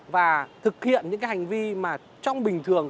và thực hiện những cái hành vi mà trong bình thường